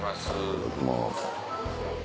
いただきます。